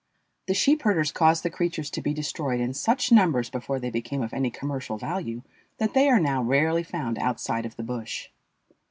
The sheepherders caused the creatures to be destroyed in such numbers before they became of any commercial value that they are now rarely found outside of the "bush."